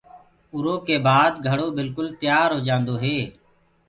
اُرو ڪي بآد گھڙو بِلڪُل تيآر هوجآندو هي۔